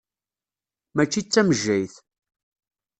Mačči d tamejjayt.